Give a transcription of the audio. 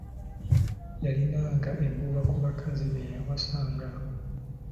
Yalinanga ebbuba ku bakazi be yawasanga.